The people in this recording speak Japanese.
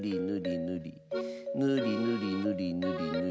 ぬりぬりぬりぬりぬりぬり